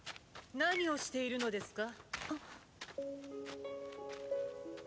・何をしているのですか。